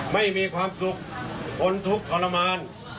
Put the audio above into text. ไม่มีความสุขทนทุกข์ทรมาน